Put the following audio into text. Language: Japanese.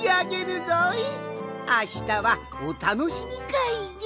あしたはおたのしみかいじゃ。